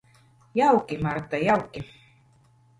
Jauki, Marta, jauki.